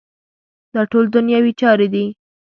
دا ټول دنیوي چارې دي.